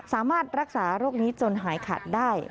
สามารถรักษาโรคนี้จนหายขาดได้